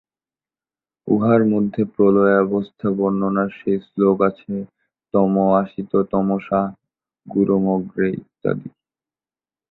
উহার মধ্যে প্রলয়াবস্থা-বর্ণনার সেই শ্লোক আছে তম আসীৎ তমসা গূঢ়মগ্রে ইত্যাদি।